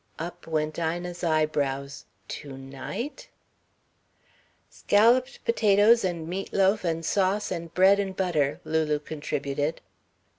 Up went Ina's eyebrows. To night? "'Scalloped potatoes and meat loaf and sauce and bread and butter," Lulu contributed.